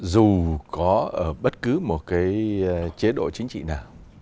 dù có ở bất cứ một cái chế độ chính trị nào